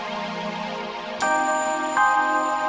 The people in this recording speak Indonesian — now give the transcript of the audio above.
maaf tu bati